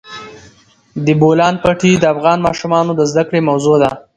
د بولان پټي د افغان ماشومانو د زده کړې موضوع ده.